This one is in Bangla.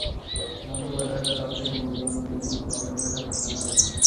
নটোকর্ডাটার রক্তের হিমোগ্লোবিন রক্তরসে অবস্থান করে।